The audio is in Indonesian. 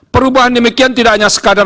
perubahan demikian tidak hanya sekadar